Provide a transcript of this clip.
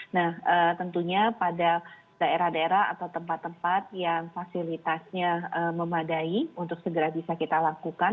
nah tentunya pada daerah daerah atau tempat tempat yang fasilitasnya memadai untuk segera bisa kita lakukan